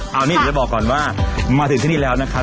เอานี่เดี๋ยวจะบอกก่อนว่ามาถึงที่นี่แล้วนะครับ